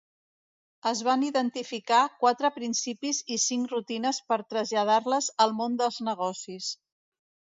Es van identificar quatre principis i cinc rutines per traslladar-les al món dels negocis.